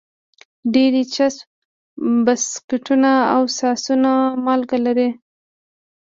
ډېری چپس، بسکټونه او ساسونه مالګه لري.